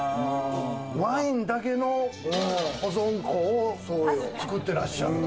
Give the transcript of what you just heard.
ワインだけの保存庫を作ってらっしゃる。